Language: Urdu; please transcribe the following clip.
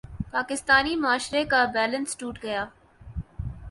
پاکستانی معاشرے کا بیلنس ٹوٹ گیا۔